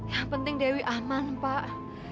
yang penting dewi aman pak